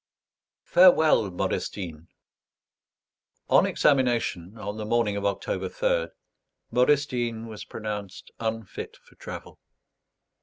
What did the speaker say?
FAREWELL, MODESTINE! On examination, on the morning of October 3rd, Modestine was pronounced unfit for travel.